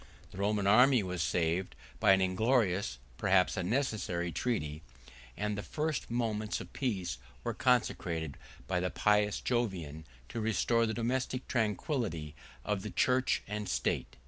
The Roman army was saved by an inglorious, perhaps a necessary treaty; 1 and the first moments of peace were consecrated by the pious Jovian to restore the domestic tranquility of the church and state.